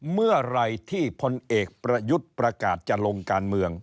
เมื่อไหร่ที่พลเอกประยุทธ์ประกาศจะลงการเมือง